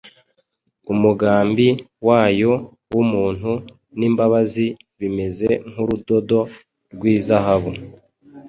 umugambi wayo w’ubuntu n’imbabazi bimeze nk’urudodo rw’izahabu.